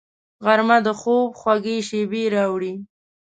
غرمه د خوب خوږې شېبې راوړي